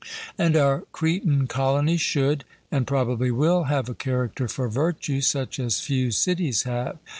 And our Cretan colony should, and probably will, have a character for virtue, such as few cities have.